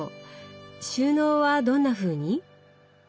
収納はどんなふうに？